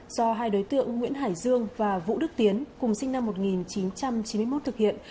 do hai đối tượng nguyễn hải dương và vũ đức tiến cùng sinh năm một nghìn chín trăm chín mươi một thực hiện